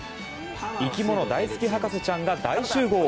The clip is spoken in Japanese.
生き物大好き博士ちゃんが大集合！